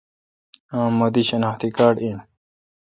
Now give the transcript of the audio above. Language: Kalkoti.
اؘ مہ دی شناختی کارڈ این۔